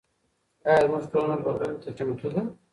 ایا زموږ ټولنه بدلون ته چمتو ده؟